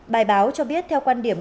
bài báo cho biết theo quan điểm